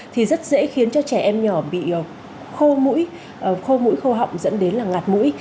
thì rất dễ khiến cho trẻ em nhỏ bị khô mũi khô mũi khô họng dẫn đến là ngạt mũi